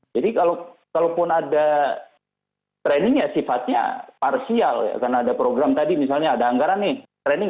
jadi kalau pun ada training ya sifatnya parsial ya karena ada program tadi misalnya ada anggaran nih training